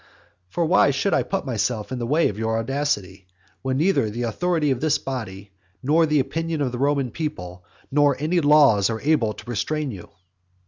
For why should I put myself in the way of your audacity? when neither the authority of this body, nor the opinion of the Roman people, nor any laws are able to restrain you.